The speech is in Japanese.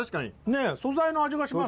ねえ素材の味がします。